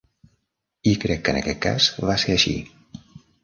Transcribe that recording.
I crec que en aquest cas va ser així.